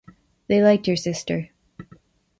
They liked your sister.